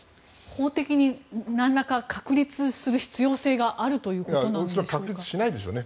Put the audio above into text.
法的になんらか確立する必要性があるということでしょうか。